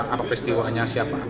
apa peristiwanya siapa